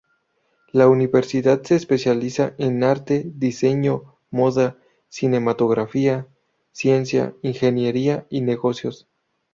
La universidad se especializa en arte, diseño, moda, cinematografía, ciencia, ingeniería y negocios.